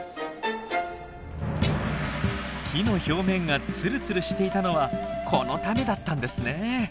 木の表面がツルツルしていたのはこのためだったんですね。